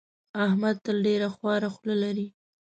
احمد تل ډېره خوره خوله لري.